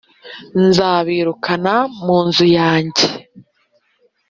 Nzabirukana mu nzu yanjye,